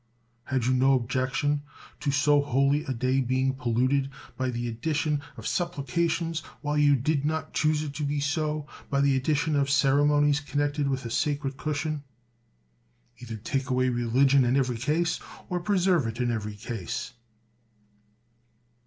Had you no objection to so holy a day being polluted by the addition of supplications, while you did not choose it to be so by the addi tion of ceremonies connected with a sacred cush ion ? Either take away religion in every case, or preserve it in every case.